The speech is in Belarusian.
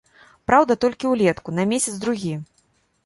Праўда, толькі ўлетку, на месяц-другі.